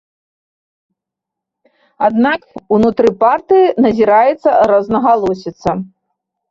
Аднак ўнутры партыі назіраецца рознагалосіца.